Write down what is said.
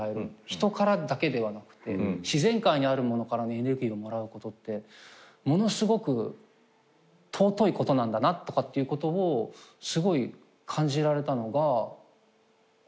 人からだけではなくて自然界にあるものからのエネルギーをもらうことってものすごく尊いことなんだなってことをすごい感じられたのが『ラジハ』のドラマ。